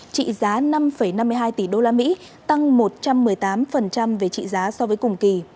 trị giá năm năm mươi hai tỷ đô la mỹ tăng một trăm một mươi tám về trị giá so với cùng kỳ